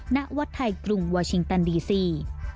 ณวัดไทยกรุงวาชิงตันดีซี